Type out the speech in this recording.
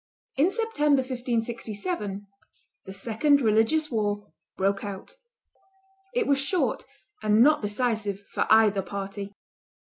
In September, 1567, the second religious war broke out. It was short, and not decisive for either party.